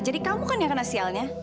jadi kamu kan yang kena sialnya